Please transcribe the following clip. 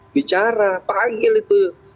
bicara panggil itu